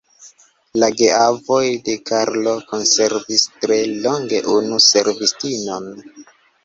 La geavoj de Karlo konservis tre longe unu servistinon.